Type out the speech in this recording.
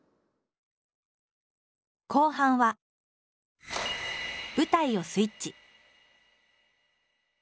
後半は舞台をスイッチ。